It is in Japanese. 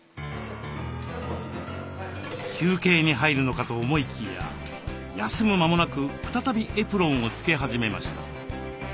休憩に入るのかと思いきや休む間もなく再びエプロンを着け始めました。